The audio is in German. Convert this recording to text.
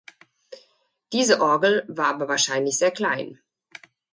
Diese Orgel war aber wahrscheinlich sehr klein.